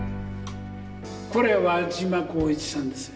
これ輪島功一さんですね。